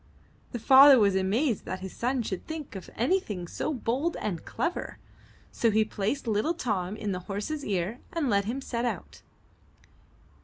The father was amazed that his son should think of anything so bold and clever, so he placed little Tom in the horse's ear and let him set out.